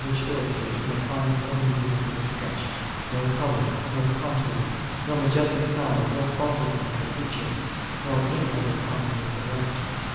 But how can language illustrate when it finds no media for its sketch, no colour, no contours, no majestic size, no faultlessness of feature ; nor any other commonplace of art